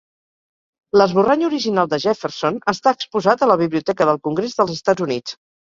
L'esborrany original de Jefferson està exposat a la Biblioteca del Congrés dels Estats Units.